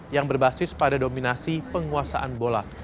yang berbasis pada dominasi penguasaan bola